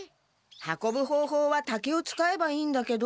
運ぶほうほうは竹を使えばいいんだけど。